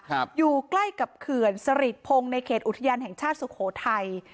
อยู่ใกล้กับเขื่อนสริทพงศ์ในเขตอุทยานแห่งชาติสุโขทัย